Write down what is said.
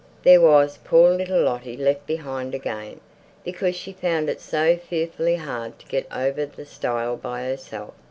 There was poor little Lottie, left behind again, because she found it so fearfully hard to get over the stile by herself.